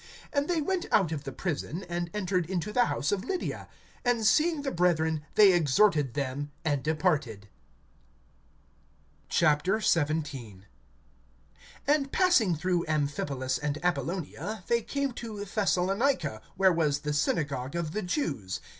(40)And they went out of the prison, and entered into the house of Lydia; and seeing the brethren they exhorted them, and departed. XVII. AND passing through Amphipolis and Apollonia, they came to Thessalonica, where was the synagogue of the Jews.